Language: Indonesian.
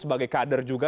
sebagai kader juga